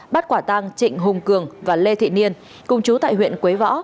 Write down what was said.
bắt quả tang trịnh hùng cường và lê thị niên cùng chú tại huyện quế võ